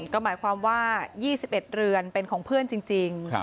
ก็หมายความว่า๒๑เรือนเป็นของเพื่อนจริง